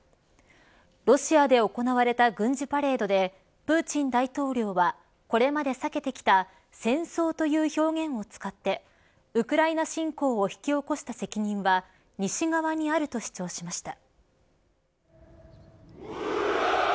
ロシアで行われた軍事パレードでプーチン大統領はこれまで避けてきた戦争という表現を使ってウクライナ侵攻を引き起こした責任は西側にあると主張しました。